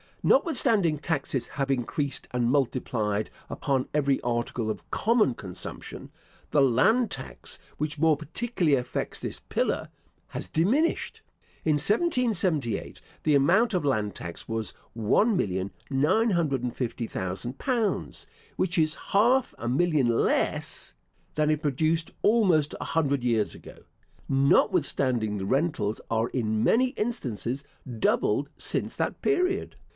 Notwithstanding taxes have increased and multiplied upon every article of common consumption, the land tax, which more particularly affects this "pillar," has diminished. In 1778 the amount of the land tax was L1,950,000, which is half a million less than it produced almost a hundred years ago,* notwithstanding the rentals are in many instances doubled since that period.